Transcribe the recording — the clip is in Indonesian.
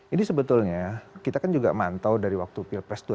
ini sebetulnya kita kan juga mantau dari waktu pilpres dua ribu empat belas ya